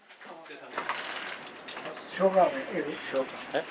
えっ？